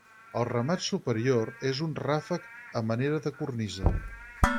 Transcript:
El remat superior és un ràfec a manera de cornisa.